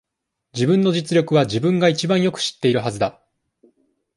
自分の実力は、自分が一番よく知っているはずだ。